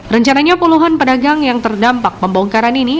rencananya puluhan pedagang yang terdampak pembongkaran ini